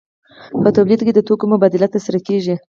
په تولید کې د توکو مبادله ترسره کیږي.